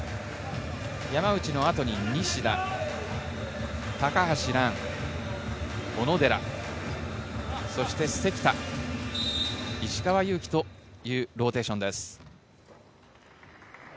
山内の後に西田、高橋藍、小野寺、そして関田、石川祐希というローテーションです。